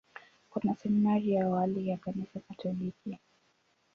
Kuna seminari ya awali ya Kanisa Katoliki.